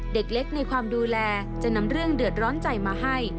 เด็กเล็กในความดูแลจะนำเรื่องเดือดร้อนใจมาให้